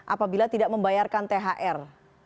apabila tidak membayarkan thr